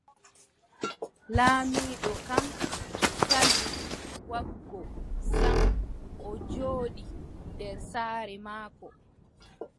Laamiiɗo kam sali waggugo sam, o jooɗi nder saare maako.